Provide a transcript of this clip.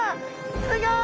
すギョい！